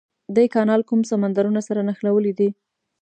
دا کانال کوم سمندرونه سره نښلولي دي؟